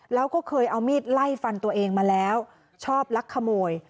แล้วก็เคยเอามีดไล่ฟันตัวเองมาแล้วชอบลักขโมย